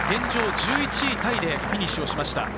１１位タイでフィニッシュしました。